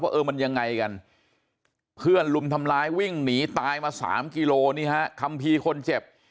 เออมันยังไงกันเพื่อนลุมทำร้ายวิ่งหนีตายมา๓กิโลนี่ฮะคัมภีร์คนเจ็บ